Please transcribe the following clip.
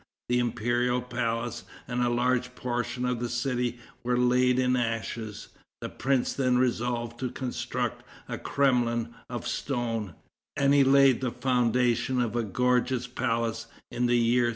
The imperial palace and a large portion of the city were laid in ashes. The prince then resolved to construct a Kremlin of stone, and he laid the foundations of a gorgeous palace in the year 1367.